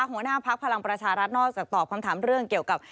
หัวหน้าพักพลังประชารัฐนอกจากตอบคำถามเรื่องเกี่ยวกับ